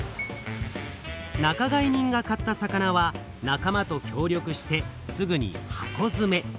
仲買人が買った魚は仲間と協力してすぐに箱づめ。